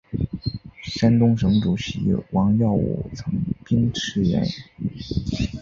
山东省主席王耀武增兵驰援。